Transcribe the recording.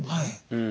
うん。